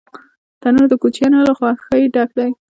تنور د کوچنیانو له خوښۍ ډک دی